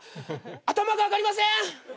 頭が上がりません！